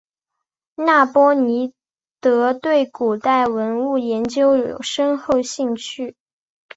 那波尼德对古代文物研究有浓厚兴趣。